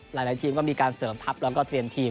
หลายทีมก็มีการเสริมทัพแล้วก็เตรียมทีม